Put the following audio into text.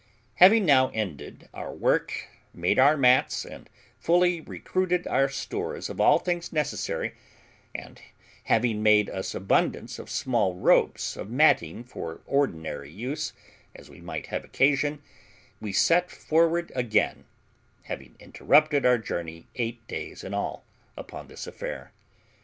Having now ended our work, made our mats, and fully recruited our stores of all things necessary, and having made us abundance of small ropes of matting for ordinary use, as we might have occasion, we set forward again, having interrupted our journey eight days in all, upon this affair.